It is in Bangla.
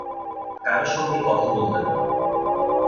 কারও সঙ্গে কথা বলতেন না।